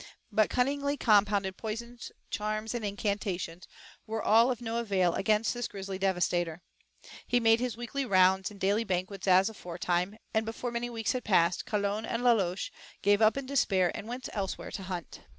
But cunningly compounded poisons, charms, and incantations were all of no avail against this grizzly devastator. He made his weekly rounds and daily banquets as aforetime, and before many weeks had passed, Calone and Laloche gave up in despair and went elsewhere to hunt.